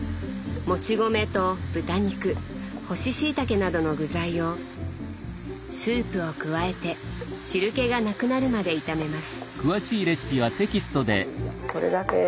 もち米と豚肉干ししいたけなどの具材をスープを加えて汁けがなくなるまで炒めます。